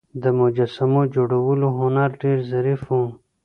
د مجسمو جوړولو هنر ډیر ظریف و